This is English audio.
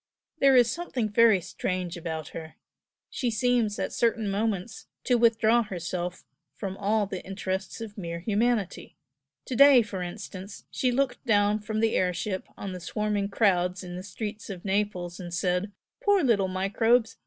There is something very strange about her she seems, at certain moments, to withdraw herself from all the interests of mere humanity. To day, for instance, she looked down from the air ship on the swarming crowds in the streets of Naples and said 'Poor little microbes!